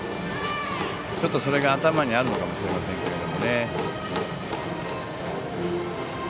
ちょっとそれが頭にあるのかもしれませんけど。